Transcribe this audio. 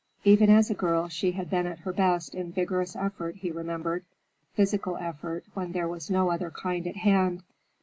Even as a girl she had been at her best in vigorous effort, he remembered; physical effort, when there was no other kind at hand.